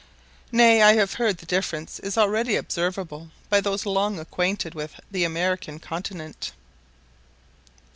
Nay, I have heard the difference is already observable by those long acquainted with the American continent.